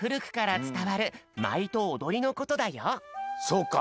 そうか！